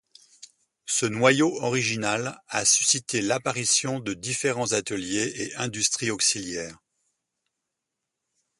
Ce noyau original a suscité l'apparition de différents ateliers et industries auxiliaires.